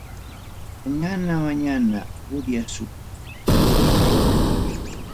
Manaña manaña uyarisuptiki.